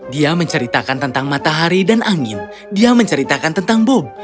dia menceritakan tentang matahari dan angin dia menceritakan tentang bom